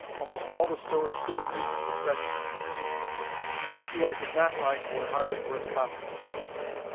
Almost all the stories suited me to perfection; and the few I did not like were hardly worth commenting on.